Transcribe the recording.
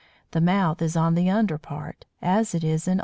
The mouth is on the under part, as it is in all Sharks.